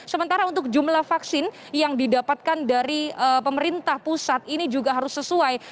sementara untuk jumlah vaksin yang didapatkan dari pemerintah pusat ini juga harus sesuai